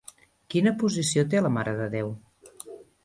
Quina posició té la Mare de Déu?